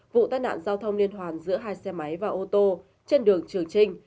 vụ tai nạn giao thông liên hoàn giữa hai xe máy và ô tô trên đường trường trinh